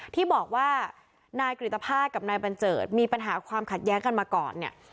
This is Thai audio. ที่บอกว่านายกริตภาษณ์กับนายบัญเจิดมีปัญหาความขัดแย้งกันมาก่อนเนี่ย